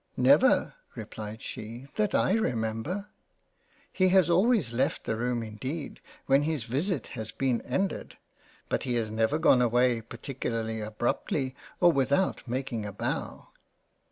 " Never (replied she) that I remember — he has always left the room indeed when his visit has been ended, but has never gone away particularly abruptly or without making a bow."